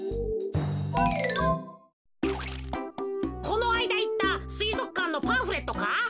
このあいだいったすいぞくかんのパンフレットか？